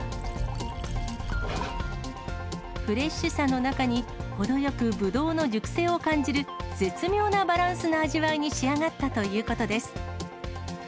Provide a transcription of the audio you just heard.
フレッシュさの中に、程よくブドウの熟成を感じる絶妙のバランスの味わいに仕上がったということです。